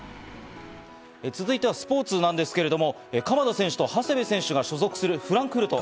続いてはスポーツなんですけれども、鎌田選手と長谷部選手が所属するフランクフルト。